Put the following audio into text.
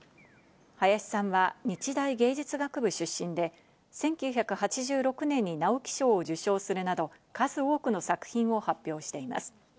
林さんは日大芸術学部出身で１９８６年に直木賞を受賞するなど、数多くの作品を発表しています。